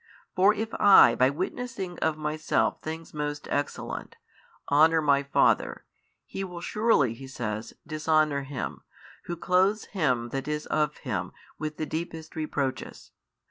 For if I by witnessing of Myself things most excellent, honour My Father, he will surely (He says) dishonour Him, who clothes Him That is of Him with the deepest reproaches.